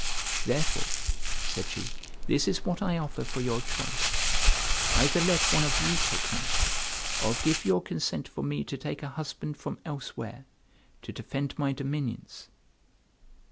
"Therefore," said she, "this is what I offer for your choice: either let one of you take me, or give your consent for me to take a husband from elsewhere, to defend my dominions."